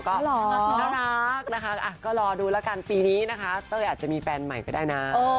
ก็น่ารักนะคะก็รอดูแล้วกันปีนี้นะคะเต้ยอาจจะมีแฟนใหม่ก็ได้นะ